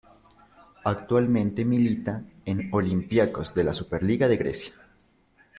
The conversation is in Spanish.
Actualmente milita en Olympiacos de la Superliga de Grecia.